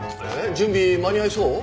準備間に合いそう？